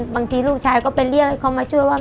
บางทีลูกชายก็ไปเรียกให้เขามาช่วยว่า